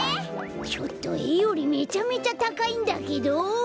ちょっとえよりめちゃめちゃたかいんだけど。